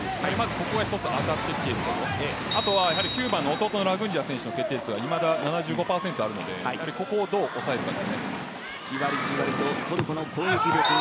ここが当たってきているところ９番の弟のラグンジヤ選手の決定率が７５％あるのでここをどう抑えるかです。